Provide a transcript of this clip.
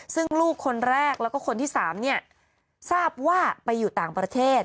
ซึ่งลูกคนแรกแล้วก็คนที่๓เนี่ยทราบว่าไปอยู่ต่างประเทศ